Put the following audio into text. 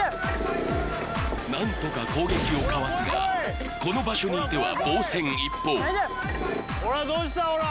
何とか攻撃をかわすがこの場所にいては防戦一方ほらどうしたオラ！